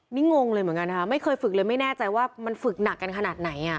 นี่งงเลยเหมือนกันนะคะไม่เคยฝึกเลยไม่แน่ใจว่ามันฝึกหนักกันขนาดไหนอ่ะ